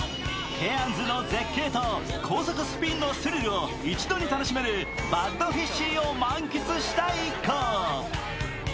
ケアンズの絶景と高速スピンのスリルを一度に楽しめるバッドフィッシーを満喫した一行。